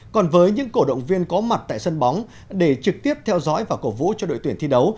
còn với những cổ động viên có mặt tại sân bóng để trực tiếp theo dõi và cổ vũ cho đội tuyển thi đấu